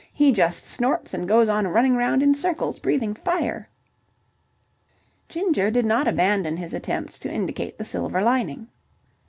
He just snorts and goes on running round in circles, breathing fire." Ginger did not abandon his attempts to indicate the silver lining.